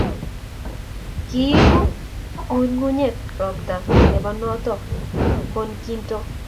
Kiib ng'ung'unyek robta noto ko kinto